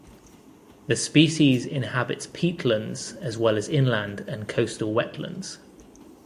The species inhabits peatlands as well as inland and coastal wetlands.